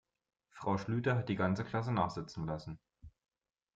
Frau Schlüter hat die ganze Klasse nachsitzen lassen.